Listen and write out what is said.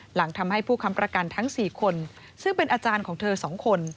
หลังทำให้ผู้ค้ำประกันทั้ง๔คนซึ่งเป็นอาจารย์ของเธอ๒คน